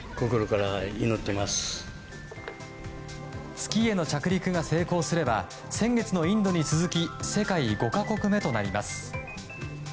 月への着陸が成功すれば先月のインドに続き世界５か国目となります。